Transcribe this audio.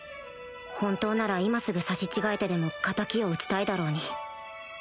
本当なら今すぐ差し違えてでも敵を討ちたいだろうに